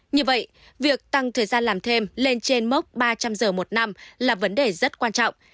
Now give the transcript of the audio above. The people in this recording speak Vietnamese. như vậy việc tăng thời gian làm thêm lên trên mốc ba trăm linh giờ một năm là vấn đề rất quan trọng